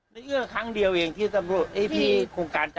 มันเป็นเยาวิชลตำรวจเขาเอ๊ะนี่มันเป็นเยาวิชล